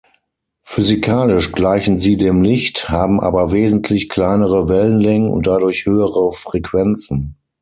Physikalisch gleichen sie dem Licht, haben aber wesentlich kleinere Wellenlängen und dadurch höhere Frequenzen.